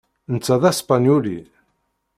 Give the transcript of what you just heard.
Netta d aspenyuli.